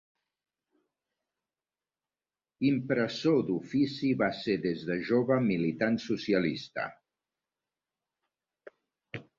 Impressor d'ofici, va ser des de jove militant socialista.